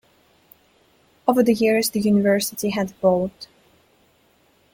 Over the years the university had evolved.